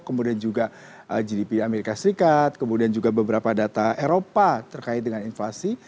kemudian juga gdp amerika serikat kemudian juga beberapa data eropa terkait dengan inflasi